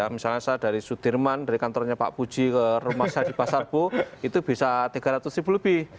misalnya saya dari sudirman dari kantornya pak puji ke rumah saya di pasarbo itu bisa tiga ratus ribu lebih